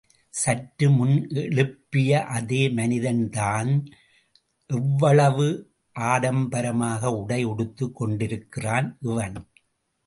சற்று முன் எழுப்பிய அதே மனிதன்தான் எவ்வளவு ஆடம்பரமாக உடை உடுத்துக் கொண்டிருக்கிறான் இவன்?